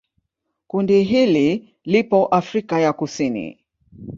Kundi hili lipo Afrika ya Kusini.